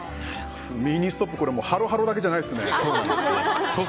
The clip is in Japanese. ミニストップはハロハロだけじゃないですね。